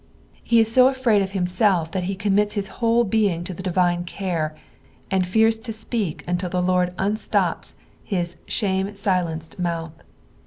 '" He is so afraid of himself that he com mits hia whole being to the divine care, and fears to apeak till the Lord unstops his shame sitenced mouth.